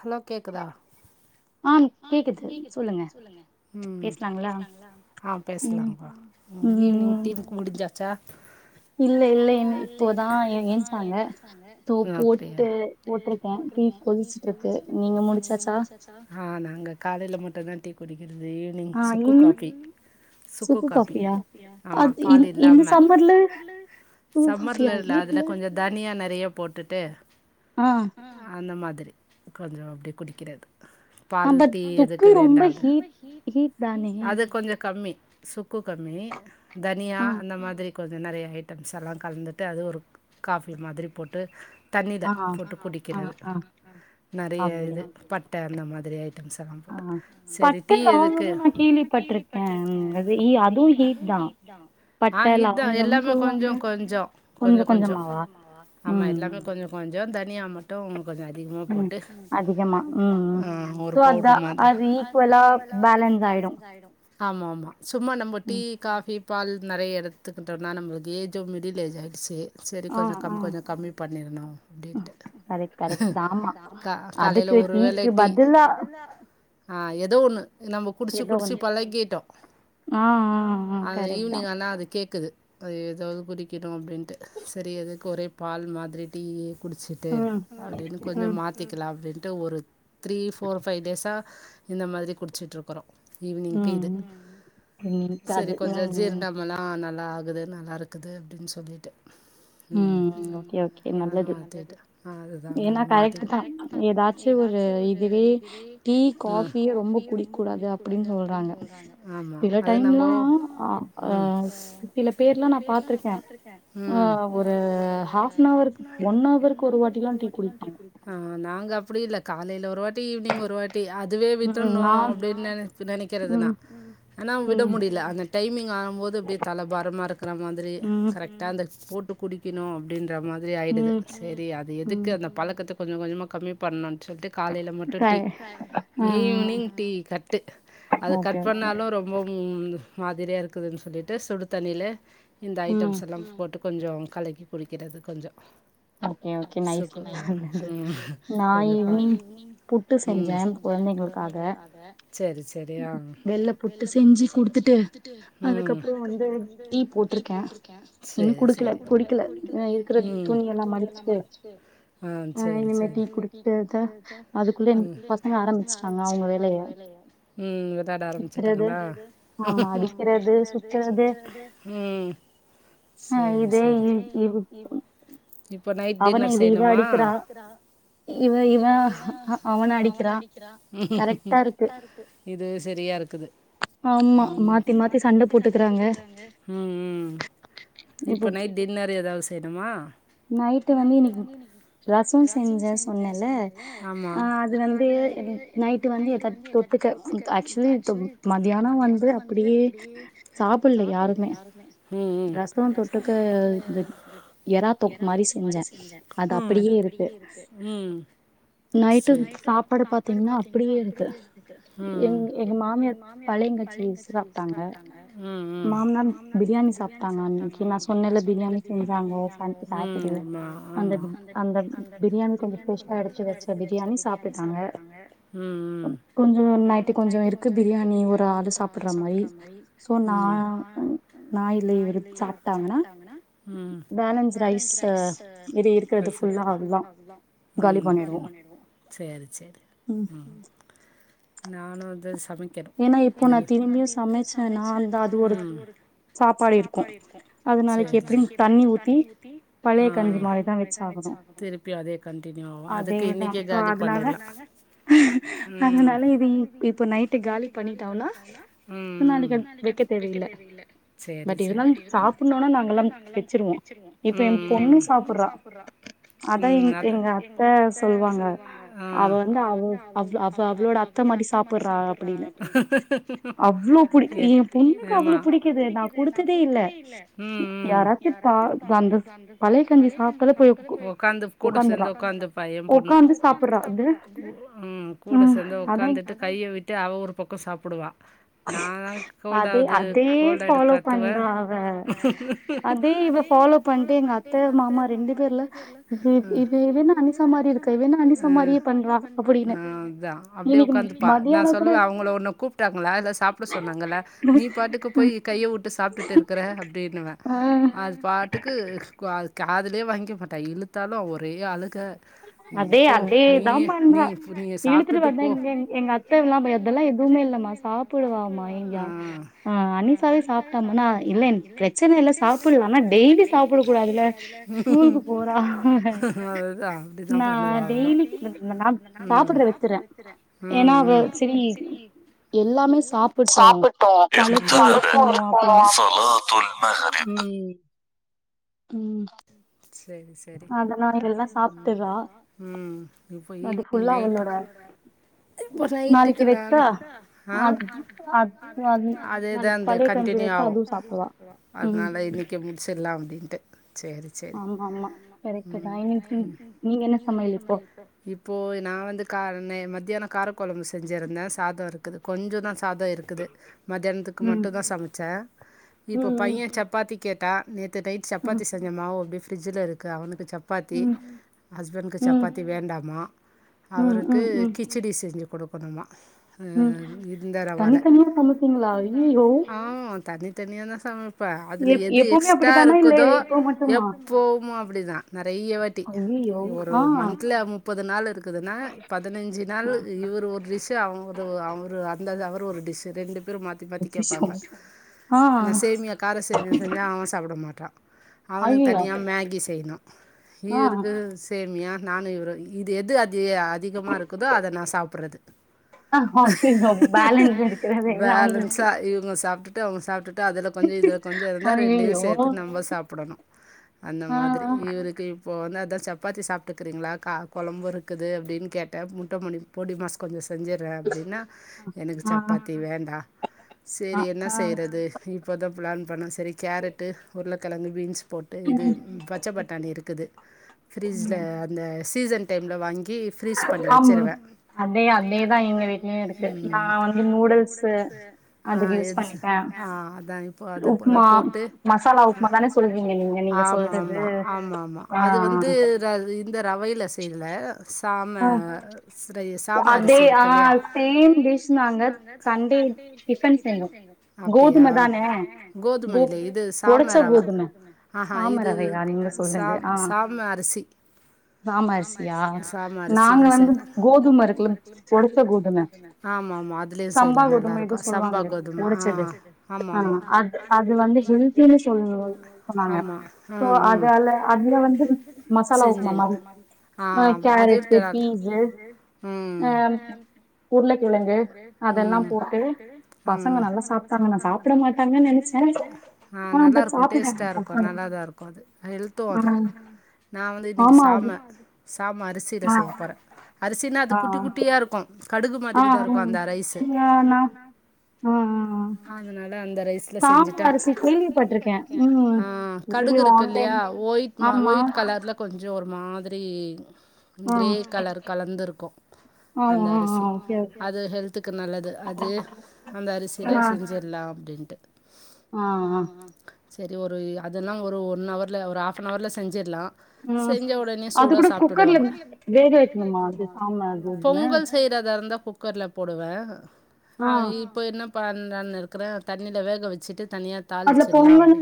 hello கேக்குதா ஆம் கேக்குது சொல்லுங்க ம் பேசலாம் பா ஈவினிங் டி குடிச்சாச்சா இல்ல இல்ல இன் இப்போ தா ஏன்ச்சாங்கோ தே போட்டு போட்டிருக்கே டீ கொதிச்சிட்டு இருக்கு நீங்க முடிச்சாச்சா ஆ நாங்க காலையில மட்டும் தா டீ குடிக்கிறது ஈவினிங் சுக்கு காபி சுக்கு காபி ஆமா பால் இல்லாம சம்மர்ல இல்ல அதுல கொஞ்சொ தனியா நெறைய போட்டுட்டு ஆ அந்த மாதிரி கொஞ்சொ அப்டியே குடிக்கிறது பால் டீ எதுக்கு வேண்டாம் அது கொஞ்சொ கம்மி க்கு கம்மி தனியா அந்த மாதிரி கொஞ்சொ நெறயவே ஐட்டம்ஸ் எல்லாம் கலந்துட்டு அது ஒரு காஃபி மாதிரி போட்டு தண்ணியில் போட்டு குடிக்கிறது நெறய இது பட்டை அந்த மாதிரி திங்ஸ் எல்லாம் போட்டு செரீ டீ எதுக்கு ஆ இத்தா எல்லாமே கொஞ்சொ கொஞ்சொ கொஞ்சொ கொஞ்சொ ஆமா எல்லாமே கொஞ்சொ கொஞ்சொ தனியா மட்டும் கொஞ்சொ அதிகமா போட் அதிகமா ம் ம் சோ அதா அது ஈக்குவலா பேலன்ஸ் ஆயிடும் ஆயிடும் ஆமாம்மா சும்மா நம்ம டீ காஃபி பால் நெறய எடுத்துக்கிட்டோம்னா நம்மள்க்கு ஏஜும் மிடில் ஏஜ் ஆகிடுச்சு சரி கொஞ்சொ கம் கொஞ்சொ கம்மி பண்ணிடணூ அப்டின்ட்டு கா காலையில ஒருவேல டீ ஆ ஏதோ ஒன்னு நம்ம குடிச்சு குடிச்சு பழக்கிட்டோம் ஆ ஆ ஆ கரக்டுதா நா அது கேக்குது அது ஏதாவது குறிக்கிடும் அப்டின்ட்டு சரி அதுக்கு ஒரே பால் மாதிரி டீ இ குடிச்சிட்டு அப்படின்னு கொஞ்சொ மாத்திக்கலாம் அப்படின்ட்டு ஒரு த்ரீ ஃபோர் ஃபைவ் டேஸா இந்த மாரி குடிச்சிட்டு இருக் கெரம் ஈவினிங்கு இது சரி கொஞ்சொ ஜீர்ணமலா நல்லா ஆகுது நல்லா இருக்குது அப்டின் சொல்லிட்டு ம் எவளோ வந்திட்டு அதுதா நா மறந்து ஏதாச்சூ ஒரு இதுவே டீ காஃபியே ரொம்ப குடிக்க கூடாது அப்டின்னு சொல்றாங்க சில டைம்லா அ சில பேர்லா நா பாத்திருக்கே ஆ ஒரு ஹாஃப் நவர் ஒன்னவருக்கு ஒரு வாட்டி ல்லாம் டீ குடிப்பாங்க ஆ நாங்க அப்படி இல்லை காலையில் ஒரு வாட்டி ஈவி்னிங் ஒரு வாட்டி தா அதுவே வித்துன்னோ அப்படின்னு நெனைக்கிறதுனா ஆனா விட முடியல அந்த டைமிங் ஆகும்போது அப்படியே தலை பாரமா இருக்கிற மாதிரி கரெக்டா அந்தப் போட்டு வைக்கணோ அப்படின்ற மாதிரி ஆகிடுது சரி அது எதுக்கு அந்த பழக்கத்தை கொஞ்சொ கொஞ்சமா கம்மி பண்ணணும்ன்னு சொல்லிட்டு காலையில மட்டும் டீ ஈவினிங் டீ கட்டு அது கட் பண்ணாலூ ரொம் ம் மாதிரியா இருக்குதுன்னு சொல்லிட்டு சுடு தண்ணியில இந்த ஐட்டம்ஸ் எல்லா போட்டுக் கொஞ்சொ கலக்கி குடிக்கிறது கொஞ்சொ அப்டியா ஓகே நைஸ் உ செஞ்சே கா ம் செரி செரியா ம் செரி செரி ம் ஆ சேரி சேரி ம் ம் விளாட ஆரம்பிச்சிட்டாங்களா ம் சேரி சேரி இப்ப நைட் டின்னர் செய்யணுமா இவே இவே அவன அடிக்கிறா கரெக்டா இருக்கு இது சரியா இருக்குது ம் ம் ம் இப்ப நைட் டின்னர் ஏதாவது செய்யணுமா நைட்டு வந்து இன்னக்கி ரசோ செஞ்சே சொன்னேன்ல ஆ அது வந்து நைட்டு வந்து ஏதாது தொட் டுக்க ஆக்சுவலி இது மத்தியானோ வந்து அப்டியே சாப்ல்ல யாருமே ரசோ தொட்டுக்கு இந்த எறா தொக் மாரி செஞ்சே அது அப்டியே இருக்கு ம் செரி ம் ம் ம் பிரியாணி செஞ்சாங்கோ சட்டர்டே அந்த அந்த அந்த பிரியாணி கொஞ்சோ பெஸ்டா எடுத்து வச்ச பிரியாணி சாப்ட்டுட்டாங்க ம் ம் கொஞ்சோ நைட்டு கொஞ்சோ இருக்கு பிரியாணி ஒரு ஆளு சாப்ட்ற மாரி சோ நா ம் ரைஸ் இது இருக்குறது ஃபுல்லா ம் ம் சேரி சேரி ம் நானு அதா சமைக் கணு ஏன்னா இப்போ நா திரும்பியு சமைச்சேன்னா அந்த ஆளு ஒரு சாப்பாடு இருக்கு அது நாளைக்கி எப்டியு தண்ணி ஊத்தி பழைய கஞ்சி மாரிதா வச் ஆகணு திருப்பியு அதே கண்டினியூ ஆகு அதுக்கு இன்னைக்கே காலி பண்ணிடலா அதனால இது இப் இப்ப நைட் ம் ம் சேரி சேரி சாப்டணுன்னா நாங்க எல்லா வச்சிருவோ இப்போ ஏ பொண்ணு சாப்ட்றா அதா எங் எங்க அத்த சொல்லுவாங்க அவ வந்து அவ அவ அவ அவளோட அத் த மாரி சாப்ட்றா அப்டின்னு அவ்ளோ புடிக்கு ஏ பொண்ணுக்கு அவ்ளோ புடிக்குது நா குடுத்ததே இல்ல யாராச்சு தா அந்த பழைய கஞ்சி சாப்டத போய் ஒக்காந்து கூட சேந்து ஒக்காந்துப்பா ஏ பொண்ணு ம் கூட சேந்து ஒக்காந்துட்டு கைய விட்டு அவ ஒரு பக்கோ சாப்டுவா நா தா கோல்ட் ஆவுது கோல்ட் ஆயிடு கத்துவே அதே இவ ஃபாலோ பண்ணிட்டு எங்க அத்தை மாமா ரெண்டு ம் பேர் ம் ம் அதா அப்டியே ஒக்காந்துப்பா நா சொல்லுவே அவங்கள ஒன்ன கூப்ட்டாங்களா இல்ல சாப்ட சொன்னாங்களா நீ பாட்டுக்கு போய் கைய விட்டு சாப்ட்டுட்டு இருக்குற அப்டின்னுவே அது பாட்டுக்கு அது காதுலயே வாங்கிக்க மாட்டா இழுத்தாலு ஒரே அழுக இப்போ நீ நீ நீ சாப்ட்டுட்டு போ ஆ இல்ல பிரச்சனை இல்ல சாப்பிடுவ ஆனா டெய்லி சாப்பிட கூடாதுல்ல அதுதா அப்படிதா பண்ணுவா ம் ம் எல்லாமே சாப்புட்டோ ம் ம் செரி செரி ம் இப்பொ ஈவினி ஃபுல்லா ஒன்னோட இப்போ ரைட்டுக்கு நான் [inaudible] அதுக்கு அதேதா அந்த கண்டியூஆவு அத்னால இன்னிக் க்கி முட்ச்சில்லா அப்டின்ட்டு சேரி ம் ஆம்மா ஆம்மா கரெக்டு தா இன்னக்கி நீங்க என்ன சமையல் இப்போ இப்போது நாவந்து கா நா மத்தியானொ காரக்குழம்பு செஞ்சுருந்தே சாத்தொ இருக்குது கொஞ்சொ தா சாதொ இருக் குது மத்தியானத்துக்கு மட்டு தா சமைச்சே இப்ப பைய சப்பாத்தி கேட் ட்டா நேத்து நைட் சப்பாத்தி செஞ்ச மாவு அப்டே பிரிட்ஜில இருக்கு அவனுக்கு சப் பாத்தி ஹஸ்பண்க்கு சப்பாத்தி வேண்டாமா அவருக்கு கிச் ச்சடி செஞ்சு குடுக்கணுமா அ இந்த ரவ்வல போல ஆ தனி தனியா தா சம அப்ப அதுல எது எக்ஸ்ட்ரா இருக்குதோ எப்போமோ அப்டிதா நறைய்யவாட்டி ஒரு மந்த்துல முப்பதுநாள் இருக்குதுன்னா பதினஞ்சு நாள் இவுர் ஒரு டிஷ் அவ ஒரு அவுரு அந்தது அவரு ஒரு டிஷ்ஷு ரெண்டு பேரு மாத் மாத்தி மாத்தி கேப்பாங்க ஆனா சேமியா கார சேமிய செஞ்சா அவ சாப்பிடமாட்டா அவனுக் தனியா மேகி செய்ணு இவருக்கு சேமியா நானுஇவுரு இது எது அது அதிகமா இருக்குதோ அத நா சாப்புற்றது பேலன்ஸ்ஸா இவுங்க சாப்ட்டுட்டு அவுங்க சாப்ட்டுட்டு ட்டு அதுல கொஞ்சொ இதுல கொஞ்சொ இருந்தா ரெண்டையுசேத்து நம்ப சாப்பிடணு அந்த மாதிரி இவ் இவுருக்கு இப்போ வந்து அத்தா சப்பாத்தி சாப்ட்டுக்கிறீங்களா க கொழம்பு இருக்குது அப்படின்னு கேட்ட முட்டமணி பொடிமாஸ் கொஞ்சொ செஞ்சுற்றே அப்டின்னா எனக்கு சப்பாத்தி வேண்டா செரி என்ன செய்றது இப்பதா ப்ளான் பண்ண சரி கேரட்டு உருளக்கெழங்கு பீன்ஸ் போட்டு இது பச்சபட் டானி இருக்குது ஃப்ரிஜ்ஜில அந்த சீசன் டைமில் வாங்கி ஃப்ரீஸ் பண்ணி வச்சுருவே அத்தே அத்தேதா எங்க வீட்லியு இருக்கு நா வந்து நூடுல்ஸ்ஸு அதுக்கு யூஸ் பண்ணிப் ஆ அதா இப்போ அதா அதபோல போட்டு ஆம்மா ஆம்மா ஆம்மா ஆம்மா அது வந்து ராது இந்த ரவைய்ல செய்ல சாம ரை சாம அரிசி இருக்குல்லையா அப்டியா கோதுமைல இது சாம ரவ ஆஹ இது சாம் சாம அரிசி சாமஅர்சியா சாம அர்சி தா ஆமா ஆம்மா அத் அதுலியும் செய்லா நல்லா இருக்கூ சம்பா கோதுமா ஆ ஆம்மா ஆம்மா ஆம்மா அ ஆ செஞ்சு ஆ கேரட்டு பீஸ்ஸு ம் உருளக்கிழங்கு அதெல்லா போட்டு பசங்க நல்லா சாப்ட்டாங்க நா சாப்ட மாட்டாங்கன்னு நெனைச்ச ஆ நல்லார்க் க்கு டேஸ்ட்டாருக்கு நல்லாதாருக்கு அது ஹெல்த்து அது நா வந்து இன்னைக்கு சாமெ சாமெ அரிசில செய்யப் போறே அரிசினா அது குட்டி குட்டியாருக்கு கடுகு மாதிரிதா இருக்கு அந்த ரைஸு அதனால அந்த ரைஸ் சாமெ அரிசி கேள்விப்பட்ருக் ஆ கடுகு இருக்கு இல்லியா ஒயிட்மா ஒயிட் கலர்லக் கொஞ்சோ ஒரு மாதிரி க்ரே கலர் கலந்துருக்கு அவு ஆ அது ஹெல்த்துக்கு நல்லது அது அந்த அரிசில செஞ்சிர்லா அப்டின்ட்டு ஆ ஆ செரி ஒரு இ அதென்லா ஒரு ஒன்னவர்ல ஒரு ஹாஃப்னவர்ல செஞ்சிர்லா செஞ்ச உடனே சூடா சாப்ட்டுடுவாங்க பொங்கல்ச் செய்றதாருந்தா குக்கர்லப் போடுவே ஆ இப்போ என்னப் பண்டான் இருக் க்கறே தண்ணில வேக வெச்சுட்டு தனியாத் அதுலப் பொங்கனும்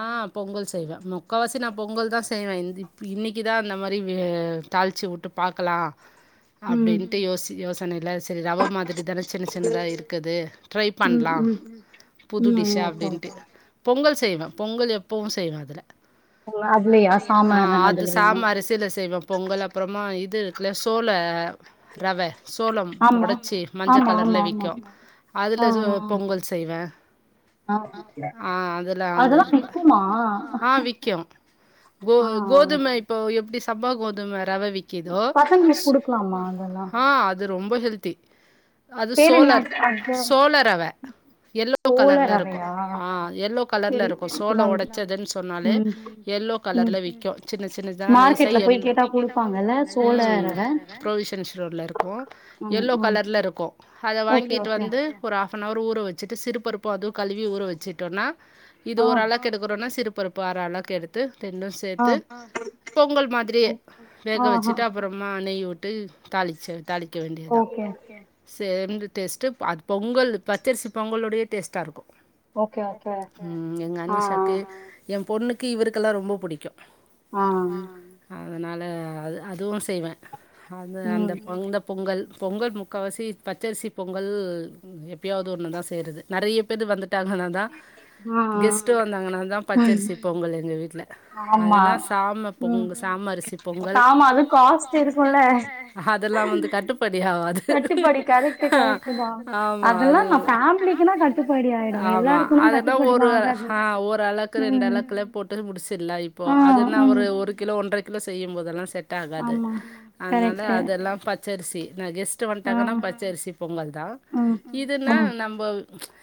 ஆ ஆ பொங்கல் செய்வே முக்காவாசி நாப் பொங்கல்தா செய்வே இந் இப் இன்னிகிதா அந்த மாரி வே தாள்ச்சிவுட்டுப் பாக்கலா அப்டின்ட்டு யோசி யோசனைல சேரி ரவ மாதிரிதானே சின்ன சின்னதா இருக்கது ட்ரைப் பண்லா புது டிஷ்ஷா அப்டின்ட்டு பொங்கல் செய்வே பொங்கல் எப்பவு செய்வே அதுல ஆ அது சாம்ம அரிசில செய்வோப் பொங்கல் அப்றமா இது இருக்குல சோழ ரவெ சோளம் ஒடச்சி மஞ்ச கலர்ல விக்கு அதுல சோ பொங்கல் செய்வே ஆ வீட்ல அதுல அந்த ஆ விக்கு கோ கோதும இப் இப்போ எப்டி சம்பா கோதும ரவெ விக்கிதோச் ஆ அத் அது ரொம்ப ஹெல்த்தி அது சோளர் சோள ரவெ எல்லோ கலர்ல இருக்கு ஆ எல்லோக் கலர்ல இருக்கு சோளோ ஒடச்சதுன் சொன்னாலே எல்லோக் கலர்ல விக்கு சின்ன சின்னதா நைஸா எல் ம் புரோவிஷன் ஸ்டோர்ல இருக்கு எல்லோ கலர்ல இருக்கு அத வாங்கிட்டு வந்து ஒரு ஹாஃபனவர் ஊற வெச்சுட்டு சிறுப்பருப்பு அதுவுக் கழுவி ஊற வெச்சிட்டோன்னா இது ஓரளக் க்கு எடுக்குறோனா சிறுப் பருப்பு அர அளக்கு எடுத்து தெண்டுச் சேர்த்து பொங்கல் மாதிரியே வேக வெச்சுட்டு அப் புறமா நெய்யுவுட்டு தாளிச்ச தாளிக்க வேண்டியதா சேர்ந்து டேஸ்ட்டுப் அது பொங்கல்லு பச்சரிசிப் பொங்கலோடைய டேஸ்ட்டாருக்கு ம் எங்க அனிஷாக்கு எம் பொண்ணுக்கு இவருக்கெல்லா ரொம்போ புடிக்கு அதனால அது அதுவு செய்வே அந்த அந்தப் அந்தப் பொங்கல் பொங்கல் முக்காவாசி பச்சரிசிப் பொங்கல் எப்பயாவது ஒன்னுதா செய்றது நெறையப் பேரு வந்துட்டாங்கனாதா கெஸ்ட்டு வந்தாங்கன்னாதா பச்சரிசிப் பொங்கல் எங்க வீட் ட்ல அதனா சாமப் பொங் சாம அரிசிப் பொங்கல் அதெல்லா வந்து கட்டுப்படி ஆவாத் து ஆமா அதுவ் ஆமா அதுல ஒரு ஆ ஒரு அலாக்கு ரெண்டு அலாக்குலே போட்டு முடிச்சிடுலா இ ப்போ அதுன்னா ஒரு ஒரு கிலோ ஒன்ற கிலோ செய்யும் போதெல்லா செட் ஆகாது அதனால அதெல்லா பச்சரிசி நா கெஸ்ட் வந்ட்டாங்கன்னா பச்சரிசி பொங்கல் தா இதுன்னா நம்ப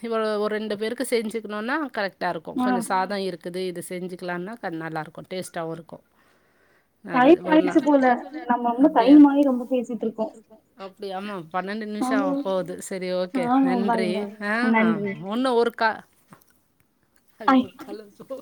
இவளோ ஒரு ரெண்டு பேருக்கு செஞ்சுக்குணுனா கரெக்டா இருக்கும் கொஞ்சோ சாதோ இருக் க்குது இது செஞ்சுக்கலானா க நல்லாருக்கு டேஸ்ட்டாவு இருக்கு நல்லது ஒரு நா அப்டியா அப்டி ஆமா பன்னெண்டு நிமிஷோ ஆவ போவ்து சரி ஓகே நன்றி ஆஹ ஒன்னு ஒரு கா ஐயோ கால் இருக்கோ